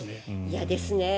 嫌ですね。